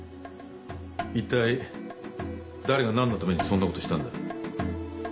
一体誰が何のためにそんなことをしたんだ？